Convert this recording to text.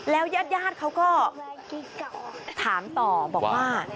แล้วยากญาติเค้าก็ถามต่อบอกว่า